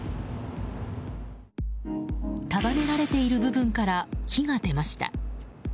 束ねられている部分から火が出ました。